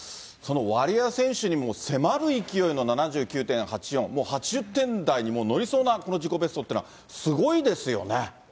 そのワリエワ選手にもう、迫る勢いの７９．８４、もう８０点台に乗りそうな自己ベストっていうのは、すごいですよ